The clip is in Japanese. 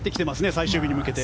最終日に向けて。